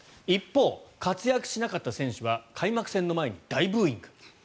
一方、活躍しなかった選手は開幕戦の前に大ブーイング。